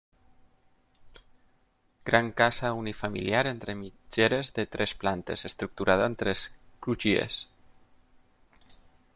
Gran casa unifamiliar entre mitgeres de tres plantes, estructurada en tres crugies.